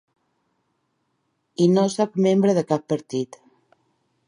I no sóc membre de cap partit.